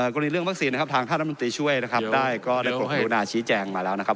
กรณีเรื่องวัคซีนนะครับทางท่านรัฐมนตรีช่วยนะครับได้ก็ได้กรุณาชี้แจงมาแล้วนะครับ